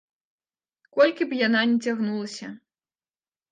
Колькі б яна не цягнулася.